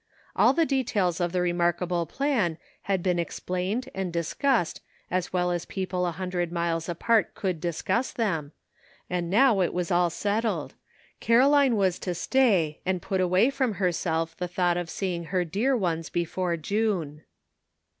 All the details of the remarkable plan had been ex plained and discussed as well as people a hun dred miles apart could discuss them, and now it was all settled. Caroline was to stay, and put away from herself the thought of seeing her dear ones before June.